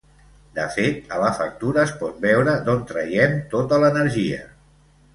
De fet, a la factura, es pot veure d’on traiem tota l’energia.